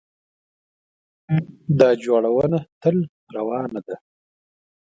دا جوړونه تل روانه ده.